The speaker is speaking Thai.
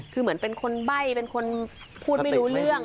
คือเหมือนเป็นคนใบ้เป็นคนพูดไม่รู้เรื่อง